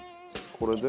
これで。